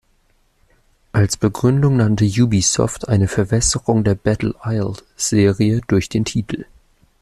Als Begründung nannte Ubisoft eine „Verwässerung der "Battle-Isle"-Serie durch den Titel“.